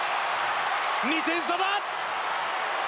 ２点差だ！